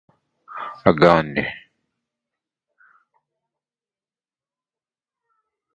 She fell in love with him too for his open heart.